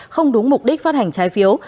không đúng mục đích phát hành trái phiếu